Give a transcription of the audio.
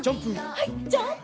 はいジャンプ！